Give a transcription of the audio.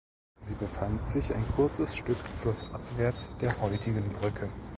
Sie befand sich ein kurzes Stück flussabwärts der heutigen Brücke.